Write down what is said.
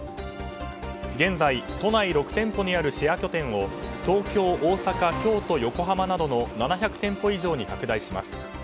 現在、都内６店舗にあるシェア拠点を東京、大阪、京都、横浜などの７００店舗以上に拡大します。